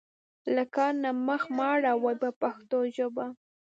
له کار نه مخ مه اړوئ په پښتو ژبه.